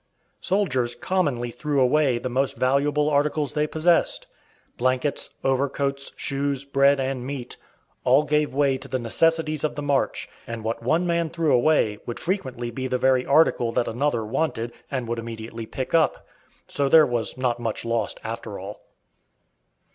Soldiers commonly threw away the most valuable articles they possessed. Blankets, overcoats, shoes, bread and meat, all gave way to the necessities of the march; and what one man threw away would frequently be the very article that another wanted and would immediately pick up; so there was not much lost after all.